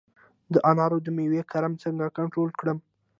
د انارو د میوې کرم څنګه کنټرول کړم؟